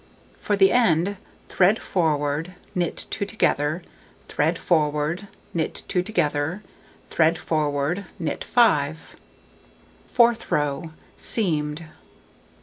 For the end: thread forward, knit 2 together, thread forward, knit 2 together, thread forward, knit 5. Fourth row: Seamed.